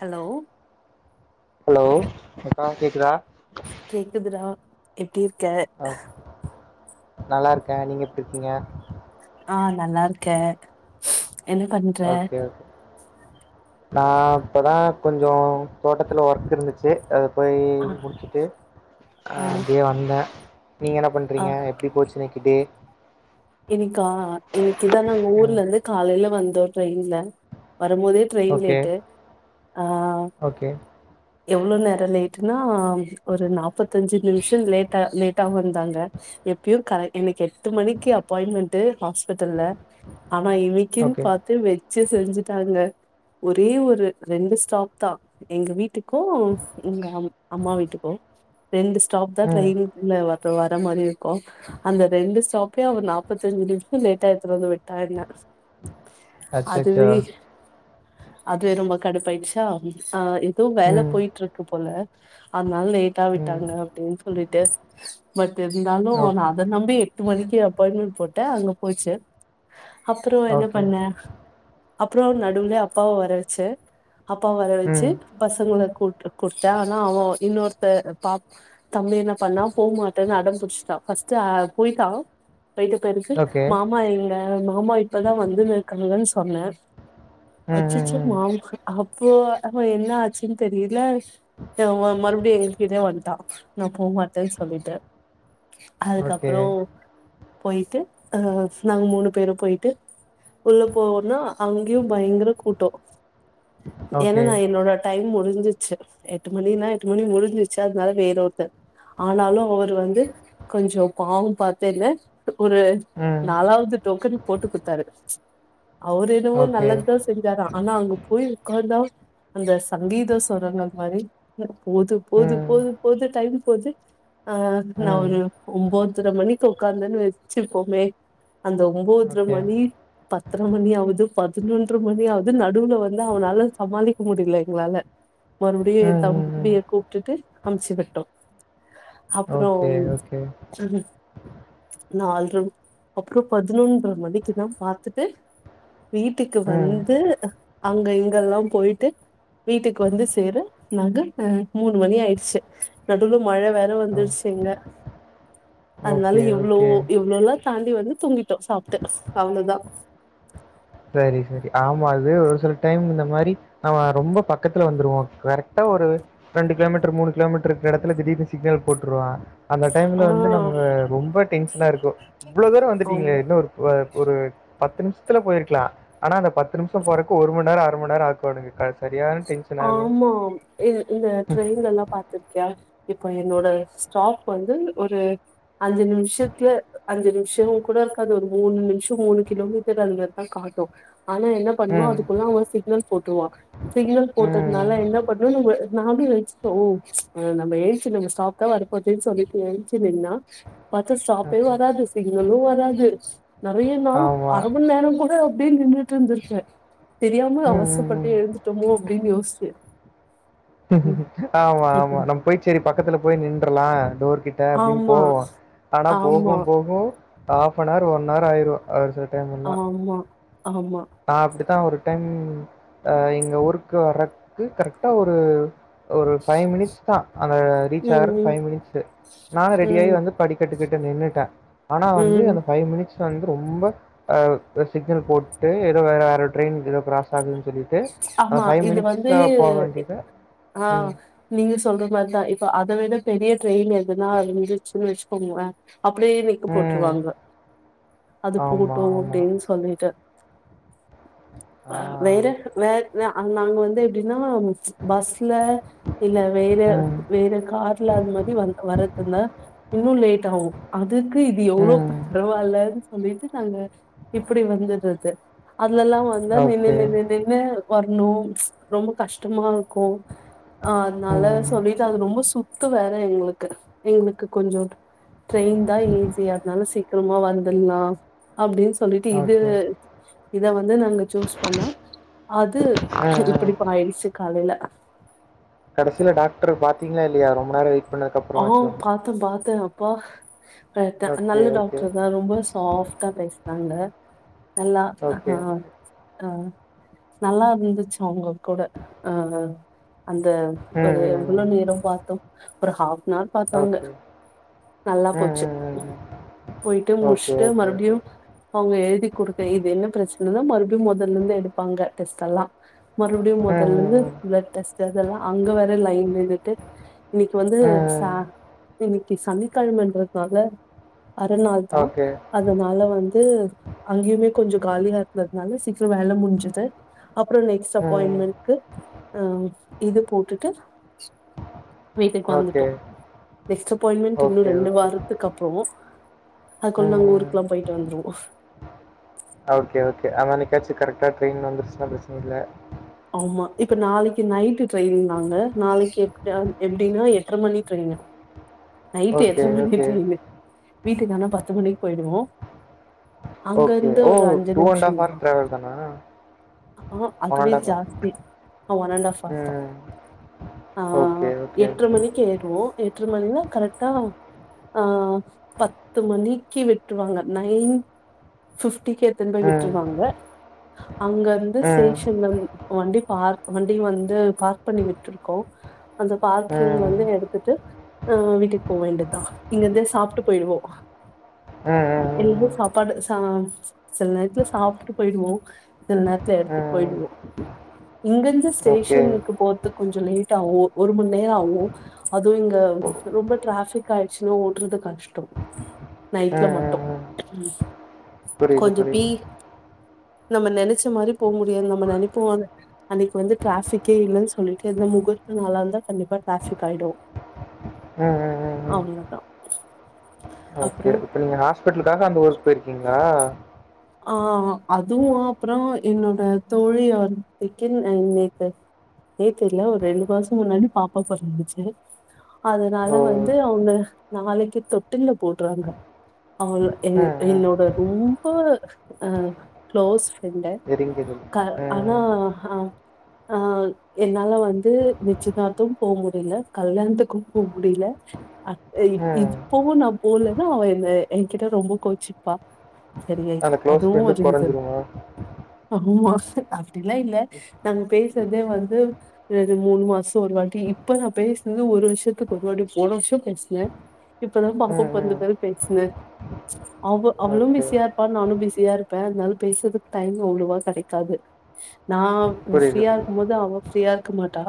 Hello hello அக்கா கேக்குதா கேக்குதுறா எப்டி இருக்க நல்லா இருக்கே நீங்க எப்டி இருக்கீங்க ஆ நல்லா இருக்கே என்ன பண்ணி ஓகே ஒகே நா இப்ப தா கொஞ்ச தோட்டத்தில ஒர்க் இருந்துச்சி அது போய் ஆ முடிச்சிட்டு ஆ அப்டியே வந்தே நீங்க என்ன பண்றீங்க எப் எப்டி போச்சி இன்னைக்கு டே இன்னிக்கா இன்னிக்கு தா நாங்க ஊர்ல ம் இருந்து காலையில வந்தோ ட்ரெயின்ல வரம்போதே ட்ரெயின் லேட்டு ஆ ஓக்கே எவ்ளோ நேரம் லேட்டுனா ஒரு நாப்பத்தஞ்சு நிமிஷோ லேட்டா லேட்டா வந்தாங்க எப்பயு கரெக்ட் எனக்கு எட்டு மணிக்கு அப்பாய்ண்ட்மென்ட்டு ஹாஸ்பிட்டல்ல ஆனா இன் கின் ஓகே பாத் து வச்சு செஞ்சுட்டாங்க ஒரே ஒரு ரெண்டு ஸ்டாப் தா எங்க வீட்டுக் கு எங்க அம் அம்மா வீட்டுக்கும் ரெண்டு ஸ்டாப் தா ம் ட்ரெயின் ல வந்து வர மாறி இருக்கும் அந்த ரெண்டு ஸ்டாப்லயே அவரு நாப் த்தஞ்சு நிமிஷம் லேட்டா எடுத்தினு வந்து விட்டா என்ன அச்சச்சோ அதுவே அதுவே ரொம்ப கடுப்பாயிடுச்சா ஆ எதுவு வேலை ம் போயிட் இருக்கு போல அதனால லேட் டா ம் விட்டாங்க அப்படின்னு சொல்லிட்டு பட் இருந்தாலு நா ஓகே அத நம்பி எட்டு மணிக்கு அப்பாயின்மென்ட் போட்டே அங்க போச்சு அப்றோ என்ன ஓகே பண்ண அப்றோ நடுவுலயே அப்பாவ வர வச்சே அப்பாவ வர வச்சு ம் பசங்கள கூப்ட்டு குடுத்தே ஆனா அவன் இன்னொருத்தே பாப் தம்பி என்ன பண்ணா போ மாட்டேன்னு அடம்புடிச்சுட்டா ஃபர்ஸ்ட்டு போயிட்டா போயிட்ட பிறகு ஓகே மாமா எங்க மாமா இப்பதா வந்துன்னு இருக்காங்கன்னு சொன்னே ம் ம் அச்சச்சோ ம் மாமா அப்போ அவன் என்ன ஆச்சுன்னு தெரியல அவன் மறுபடியு எங்கக்கிட்டயே வன்ட்டான் நா போ மாட்டேன்னு சொல்லிட்டு ஓகே அதுக்கப்றோ போயிட்டு அ நாங்க மூணு பேரும் போயிட்டு உள்ள போவோன்னா அங்கையு பயங்கர கூட்டோ ஏன்னா ஓகே நா என்னோட டைம் முடிஞ்சிச்சு எட்டு மணினா எட்டு மணி முடிஞ்சிச்சு அதனால வேற ஒருத்தர் ஆனாலு அவரு வந்து கொஞ்சோ பாவம் பாத்து என்ன ஒரு ம் நாலாவது டோக்கன் போட்டு குடுத்தாரு அவரு என்னவோ ஓகே நல்லது தா செஞ்சாரா ஆனா அங்க போய் உக்காந்த அந்த சங்கீத சொரங்கள் மாறி போது போது ம் போது போது டைம் போது அ நா ம் ஒரு ஒம்போதரை மணிக்கு உக்காந்தன்னு வச்சுப்போமே அந்த ஒம்போதரை ஓகே மணி பத்தரை மணியாவது பதினொன்றை மணியாவது நடுவுல வந்து அவனால சமாளிக்க முடியல எங்களால மறுபடியு என் ம் ம் ம் தம்பிய கூப்ட்டுட்டு அமுச்சி விட்டோ அப்பறோ ஓகே, ம் ஓகே. ம் நால் ரவுண் அப்றோ பதினொன்றரை மணிக்குதா பாத்துட்டு வீட்டுக்கு ம். வந்து அங்க இங்கெல்லா போயிட்டு வீட்டுக்கு வந்து சேர நாங்க அ மூணு மணி ஆயிடுச்சு நடுவுல மழை வேற அ. வந்துருச்சுங்க அதனால ஓகே, இவ்ளோ ஓகே. இவ்ளோல்லா தாண்டி வந்து தூங்கிட்டோ சாப்ட்டு அவ்ளோதா சரி சரி ஆமா அது ஒரு சில டைம் இந்த மாறி நம்ம ரொம்ப பக்கத்துல வந்துருவோ கரெக்டா ஒரு ரெண்டு கிலோமீட்டர் மூணு கிலோமீட்டரு இருக்குற எடத்துல திடீர்னு சிக்னல் போட்ருவா அந்த ஆ டைம்ல வந்து நம்ம ரொம்ப டென்ஷனா இருக்கும் இவ்ளோ தூரம் ஆமா வந்துட்டீங்களே இன்னும் ஒரு வ ஒரு பத்து நிமிஷத்துல போயிருக் லா ஆனா அந்த பத்து நிமிஷோ போறக்கு ஒரு மண் நேரம் அரை மண் நேரம் ஆக்குவானுங்க க்க சரியான டென்ஷன் ஆகும். ஆமாம் இது இந்த ட்ரெயின் எல்லா பாத்திருக்கியா இப்ப என்னோட ஸ்டாப் வந்து ஒரு அஞ்சு நிமிஷத்துல அஞ்சு நிமிஷோங் கூட அது ஒரு மூணு நிமிஷொ மூணு கிலோமீட்டர் அதுமாரி தா காட்டோ ஆனா என்னப் பண்ணுவா ம், அதுக்குள்ள அவெ சிக்னல் போட்ருடுவா சிக்னல் போட்டத்னால ம். அத்னால என்ன பண்ணூவோ நம்பள நாமளே வெச்சுக்குவோ ஓ நம்ம எழுஞ்சி நம்ப சாப்டா போதே சொல்லிட்டு எழுஞ்சி நின்னா பார்த்தா ஸ்டாப்பே ஓகே. வராது சிக்னலூ வராது நெறய நாள் ஆமா. அர மண் நேரங் கூட அப்டியே நின்னுட் இருந்திருக்கே தெரியாம ம், ம், அவசரப்பட்டு ம். எழுந்துட்டோமோ அப்டின்னு யோஸ்ச்சே ஆமா ஆமா நம்ம போயி சேரி பக்கத்துல போய் நின்றலா டோர் கிட் ட அப்டின் ஆமா, போவோ ஆனா ஆமா, போகூ போகூ ஆஃப்னர் ஒன் அவர் ஆயிரூ ஒரு சில ஆம்மா ஆம்மா நா அப்டித்தா ஒரு டைம் அ எங்க ஊருக்கு வர்றக்கு கரெக்டா ஒரு ஒரு ஃபைவ் மினிட்ஸ் தா அத ரீச் ஆகறக்கு ம், ம், ஃபைவ் மினிட்ஸூ நானு ரெடியாயி ம், வந்து படிக் கேட்டுக் கிட்ட நின்னுட்டே ஆனா வந்து ம். அந்த ஃபைவ் மினிட்ஸ் வந்து ரொம்ப அ சிக்னல் போட் டு ஏதோ வேற வேற ட்ரெயின் ஏதோ கிராஸ் ஆகுத் சொல்லிட்டு அத ஆமா. ஃபைவ் இது வந்து மினிட்ஸா போக வேண்டியத ஆ ம் நீங்க சொல்ற மோரிதா இப்போ அத விட பெரிய ட்ரெயின் எதுனா இருந்துச்சுன்னு வச்சிக்கோங்களே அப்டியே நிக்க ம். போட்டுருவாங்க அது ஆமா, போவ்ட்டோ ஆமா. அப்டின் சொல்லிட்டு ஆ. வேற வேற நா அங் நாங் வந்து எப்டின்னா பஸ்ல இல்ல வேற ம். வேற கார் ல அந்த மாரி வந் வரதுன்னா இன்னூ லேட் ஆவூ அதுக்கு இது எவ்ளோ ம். பரவால்ல ல்லேன் சொல்லிட்டு நாங்க இப்டி வந்துட்றது அதுல எல்லா வந்தா நின்னு ஓகே. நின்னு ன்னு வரணோ ரொம்ப கஷ்டமா க்கோ அ அத்னால ம். சொல்லிட்டு அது ரொம்ப சு த்து வேற எங்களுக்கு எங்களுக்கு கொஞ்சோ ட்ரெயின் தா ஈஸியா அத்னால சீ க்கிரமா வந்துல்லா அப்டின்னு சொல்லிட்டு இது ஓகே. இத வந்து நாங்க சூஸ் பண்ணா அது ம், ம். இப்டிப் பாயிடுச்சி காலைல கடைசில டாக்டரு பாத்தீங்களா இல்லியா ரொம்ப நேர வெயிட் அ பண்ணதுக்கப்புறமாச்சும். பாத்தே பாத்தே அப்பா கரெக்ட் தா ஓகே, நல்ல ஓகே. டாக்டர் தா ரொம்ப சாஃப்டா பேஸ்னாங்க நல்லா அ ஓகே, ஓகே. அ நல்லா இருந்துச்சு அவுங்க கூட அ அ அந்த ம், ஒரு ம், எவ்ளோ ம். நேரோ பாத்தோ ஒரு ஹாப்னவர் பாத்தாங்க ஓகே. நல்லா ம், போச்சு ம், ம், ம். போயிட்டு ஓகே, முட்ஷ்ட்டு ஓகே, மறுபடியூ ஓகே. அவுங்க எழுதி குடுக்க இது என்ன பிரச்சனைன்னா மறுபடியூ முதல்ல இருந்தே எடுப்பாங்க டெஸ்ட் எல்லா மறுபடியூ ம், முதல்ல இருந்து ம், ம். பிளட் டெஸ்ட் அதெல்லா அங்க வேற லைன்ல நின்னுட்டு இன்னிக்கு வந்து ம், ச ம். இன்னிக்கு சனிக் கெழமன்றதுனால அர நாள் தா ஓகே. அதனால வந்து அங்கேயுமே கொஞ்ச காலியா இருந்ததுனால சீக்கிர வேல முடிஞ்சுது அப்புறோ நெக்ஸ்ட் அப்பாயின்ட் ம். மெண்ட்கு ஆ இது போட்டுட்டு வீட்டுக்கு ஓகே. வந்துட்டோ நெக்ஸ்ட் அப்பாயின்மெண்ட் இன்னு ஓகே, ரெண்டு ஓகே. வாரத்துக்கு அப்புறோ அதுக்குள்ள நாங்க ஊருக்கெல்லா போயிட்டு வந்துருவோ ஒகே ஓகே அத்தன்கியாச்சூ கரெக்டா ட்ரெயின் வந்துருச்சுன்னா பிரச்சன இல்ல ஆமா இப்ப நாளைக்கு நைட் ட்ரெயினு நாங்க நாளைக்கி எப்ட எப்டினா எட்ற மணி ட்ரெயினு நைட்டு ஓகே, எட்டரை மணிக்கு ஓகே. ட்ரெயினூ வீட்டுக்கு ஆனா பத்து மணிக்கு போயிடுவோ ஓகே. அங்கிருந்து ஓ! ஒரு அஞ்சு நிமிஷோ ஹவர் தா டிராவல் தானா? அதுவே ஜா ஹவர். ஸ்த்தி அ ஒன் அன்ட் ஆப் ஹவர் தா ம். அ ஓகே, ஓகே, எட்ரை ஓகே. மணிக் கி ஏறிடுவோ எட்ரை மணிலா கரெக்ட்டா அ பத்து மணிக்கு விட்டுருவாங்க நை பிஃப்டிக்கே எத்துனு போய் ம். விட்ருவாங்க அங்க வந்து ம். சேஷன் வந் து பார் வண்டி வந்து பார்க் பண்ணி விட்ருக்கோ அந்த ம். பார்க்கிங் ம். வந்து எடுத்துட்டு ஆ வீட்டுக்கு போ வேண்டியதுதா இங்கிருந்து சாப்ட்டு போய்டுவோ ம். எல்லு ம். சாப் பாடு ச சில நேரத்துல சாப்ட்டு போயிடுவோ சில நேரத்துல எடுத்துட்டு ம். போயிடுவோ இங்கெருந்து ஓகே. ஸ்டேஷனுக்கு போரத்க்கு கொஞ்ச லேட் ஆகு ஒரு மண் நேர ஆகு அதுவே இங்க ரொம்ப டிராஃபிக் ஆய்ச்சுனா ஓட்றது கஷ்ட நைட்ல ம். மட்டு ம். ம் புரியுது, கொஞ்ச புரியுது. பீப் நம்ம நெனச்ச மாரி போக முடியாது நம்ம நெனப் போல அன்னைக்கி வந்து ட்ராஃபிக்கே இல்லனு சொல்லிட்டு எது முகூரத்த நாளா இருந்தா கண்டிப்பா ட்ராபிக் ஆய்டு அ அ அ அ அவங்க தா ஓகே இப்ப நீங்க ஹாஸ்பிட்டலுக்காக அந்த ஊர்க் போயிருக்கீங்களா ஆ அதுவு அப்பறோ என்னோட தோழி [unintelligible] நேத்து இல்ல ஒரு ரெண்டு மாச முன்னாடி பாப்பா பொறந்துச்சு அதனால ஓ! வந்து அவுங்க நாளைக்கி தொட்டில்ல போட்ருவாங்க அவள் எ என் ம். ம். என்னோட ரொம்ப அ க்ளோஸ் ஃப்ரெண்ட் எரிந்தது. ஆனா ம். ஆ அ என்னால வந்து நிச்சயதார்த்தம் போ முடியல கல்யாணத்துக்கு போமுடியல ஆ இப் ம். இப்பவு நா போலனா அவ எ என்கிட்ட ரொம்ப கோச்சிப்பா சரியா அந்த க்ளோஸ் அதுவு ஒரு ஃப்ரெண்டுக்கு ரீசன் கொறஞ்சிருமா? ஆமா அப்டிலா இல்ல ம். நாங்க பேசுறதே வந்து து மூணு மாச ஒரு வாட்டி இப்ப நா பேசினது ஒரு வருஷத்துக்கு ஒரு வாட்டி போன வருஷ பேசுனே இப்பதா பாப்பா பொறந்த ம். பெறகு பேசுனே அவ அவளும் ஓகே. பிசியா இருப்பா நானும் பிசி பிசியா இருப்பே அதனால பேசுறதுக்கு டைம் அவ்ளவா கெடைக்காது நா நீ புரியுது, ஃப்ரீயா புரியுது. இருக்கும் போது அவ ஃப்ரீயா இருக்க மாட்டா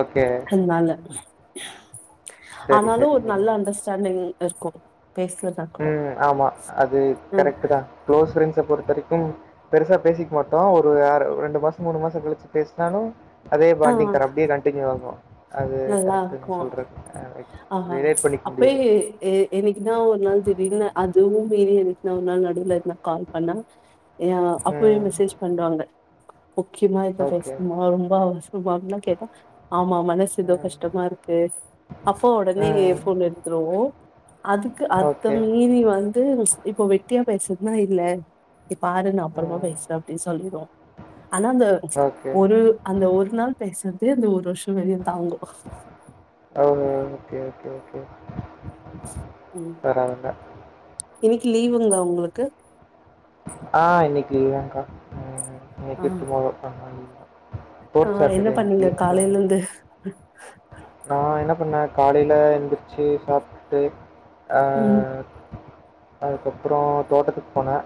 ஓகே நாங்க சரி, ஆனாலு சரி, ஒரு சரிங்க. நல்ல அண்டர்ஸ்டாண்டிங் இருக்கு பேசல தா ம் ஆமா அது கரெக்ட்டுதா க்ளோஸ் ப்ரெண்ட்ஸ் பொறுத்த வரைக்கு பெருசா பேசிக்க மாட்டோ ஒரு ஆர் ரெண்டு மாச மூணு மாச கழிச்சு பேசினாலு அதே ஆ பாண்டிங் கா அப்டியே கண்டனியூ ஆகு அது கரெக்ட்டுதா நீ சொல்றது ஆ ரை ஆமாம் அப்போ ஏ எ எனக்குதா ஒரு நாள் திடிரென அதுவு மீறி எனக்குனா ஒரு நாள் நடுலனா கால் பண்ணா ஏ அப்யே ம். மெசேஜ் பண்வாங்க முக்கியமா எப்ப ஓகே. பேசணுமா ரொம்ப அவச இதுமார்லா கேட்டா ஆமா மனசு எதோ ம். கஷ்டமா இருக்கு அப்பா ஒடனே ம். போன் எடுத்துருவோ அதுக்கு அத ஓகே. மீறி வந்து இது இப்போ வெட்டியா பேசுறதுன்னா இல்ல இ பாரு நா அப்பறமா ம். பேசுறே அப்டினு சொல்லிடுவா ஆனா அந்த ஓகே. ஒரு அந்த ஒரு நாள் பேசுறது அந்த ஒரு வருஷம் வெளிய தாங்கு ஓகே ஓகே ஓகே ம் பரவால்ல. இன்னிக்கு லீவுங்களா ஒங்களுக்கு ஆ இன்னிக்கு லீவு தாங்கா ஆ. அ [unintelligible] ஃபோர்த் சாட்டர்டே இன்னிக்கி சோ வந்து நா என்ன பண்ணே காலையில எந்திரிச்சு சாப்டுட்டு ஆ ம், அதுக்கப்புறோ தோட்டத்துக்கு போனே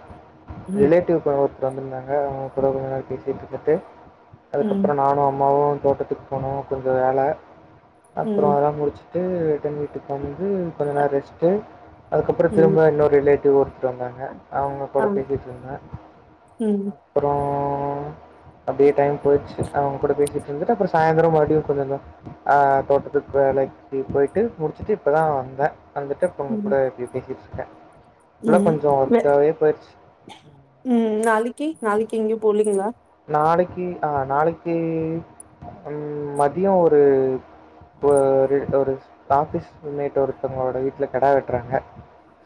ம், ரிலேட்டிவ் [unintelligible] வந்துருந்தாங்க அவங்க கூட கொஞ்ச நேரோ பேசிட்ருந்துட்டு அதுக்கப்புறோ ம், நானு அம்மாவு தோட்டத்துக் போனோ கொஞ்சோ வேல அப்புற ம், அதெல்லா முடிச்சிட்டு ரிட்டர்ன் வீட்டுக்கு வந்து கொஞ்ச நேரோ ரெஸ்ட்டு அதுக்கப்புறோ ம். திரும்ப இன்னொரு ரிலேட்டிவ் ஒருத்தர் வந்தாங்க அவங்க ஆ, கூட பேசிட்ருந்தே ம், அப்றோ அப்டியே டைம் போயிட்ச்சு அவங்க கூட பேசிட்ருந்துட்டு அப்றோ சாயந்தரோ மறுபடியு கொஞ்ச ஆ தோட்டத்துக்கு வேலைக்கு போயிட்டு முடிச்சிட்டு இப்பதா வந்த வந்துட்டு இப்ப ம், உங்க கூட இப்டி பேசிட்ருக்கே ம் வே ம் நாளைக்கி நாளைக்கி எங்கேயு போலிங்ளா நாளைக்கு ஆ நாளைக்கு ம் மதியோ ஒரு ஒரு ஒரு ஆஃபீஸ் மேட்டு ஒருத்தவங்களோட வீட்ல கடா வெட்றாங்க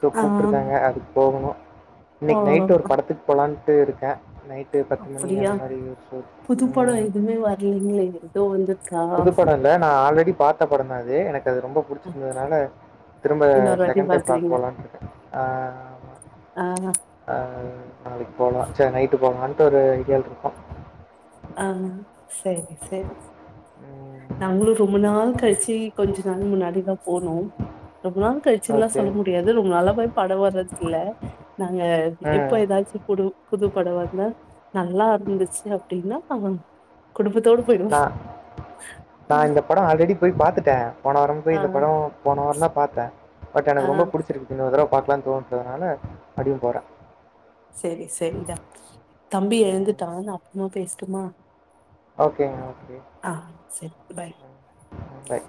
சோ ஆ கூப்டுருக்காங்க அதுக்கு போகணு இன்னைக்கு நைட் போகணும். ஒரு படத்துக்கு போலாட்டுருக்கே நைட்டு மூனு மணி அந்த அப்படியா? மாரி ஷோக்கு புது படம் ம் எதுவுமே வரலைங்களே! ஏதோ வந்திருக்கா? புதுப்பட அது நா ஆல்ரெடி பாத்த படந்தா அது எனக்கு அது ரொம்ப அ புடிச்சிருந்ததுனால திரும்ப இன்னொரு வாட்டி செகண்ட் டைம் பாக்க பாக்குறீங்க. போலான்ட்ருக்கே ஆ ஆ நாளைக்கு போலா ச்சே நைட்டு போகலான்ட்டு ஒரு ஐடியால இருக்கோ ஆ செரி செரி ம். நாங்களு ரொம்ப நாள் கழிச்சு கொஞ்ச நாள் முன்னாடிதா போனோ ரொம்ப நாள் கழச்சின்ல்லா ஓகே. சொல்ல முடியாது ரொம்பனாலாவே படோ வர்றது இல்ல நாங்க எப்ப ம். ஏதாச்சு போடு புது படோ வந்தா நல்லா இருந்துச்சு அப்டின்னா அவ குடும்பத்தோட போயிடுவோ நா நா இந்த படோ ஆல்ரெடி போயி பாத்துட்டே போன வாரோ போயி ஆ இந்த படோ போன வாரோந்தா பாத்தே பட் ஆ எனக்கு ரொம்ப புடிச்சிருக்கு இன்னொரு தடவ பாக்கலான்னு தோணுறதுனால மறுபடியு போறே செரி செரிடா தம்பி ம். எழுந்துட்டா நா அப்றமா பேசட்டுமா ஓகேங்க ஓகேங்க ஆ செரி பாய் பாய்